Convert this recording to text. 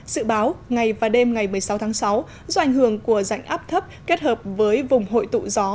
sự báo ngày và đêm ngày một mươi sáu tháng sáu do ảnh hưởng của rãnh áp thấp kết hợp với vùng hội tụ gió